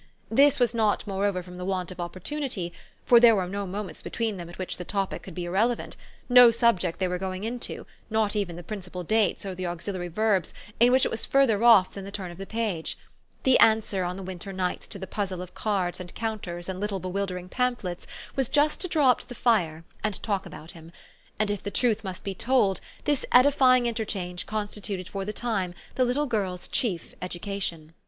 This was not moreover from the want of opportunity, for there were no moments between them at which the topic could be irrelevant, no subject they were going into, not even the principal dates or the auxiliary verbs, in which it was further off than the turn of the page. The answer on the winter nights to the puzzle of cards and counters and little bewildering pamphlets was just to draw up to the fire and talk about him; and if the truth must be told this edifying interchange constituted for the time the little girl's chief education.